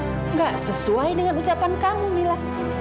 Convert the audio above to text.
tidak sesuai dengan ucapan kamu mila